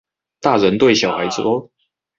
大人對小孩說